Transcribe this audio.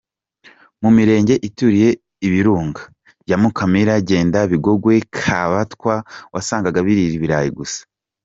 Mu mirenge ituriye ibirunga ya Mukamira, Jenda, Bigogwe, Kabatwa wasangaga birira ibirayi gusa.